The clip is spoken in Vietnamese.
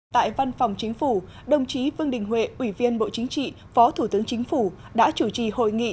tại văn phòng chính phủ đồng chí vương đình huệ ủy viên bộ chính trị phó thủ tướng chính phủ đã chủ trì hội nghị